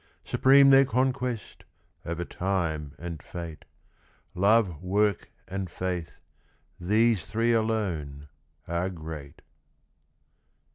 Supreme their conquest, over Time and Fate. Love, Work, and Faith—these three alone are great.